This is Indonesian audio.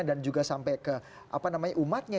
dan juga sampai ke umatnya